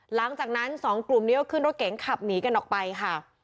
หลังจากนั้นสองกลุ่มนี้ก็ขึ้นรถเก๋งขับหนีกันออกไปค่ะ